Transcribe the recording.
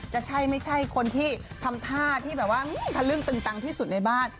จะใช่ไม่ใช่คนที่ทำท่าที่แบบว่าทะลึ่งตึงตังที่สุดในบ้าน